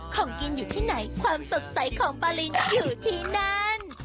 ของกินอยู่ที่ไหนความตกใจของปารินอยู่ที่นั่น